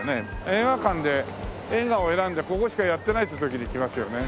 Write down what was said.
映画館で映画を選んでここしかやってないって時に来ますよね。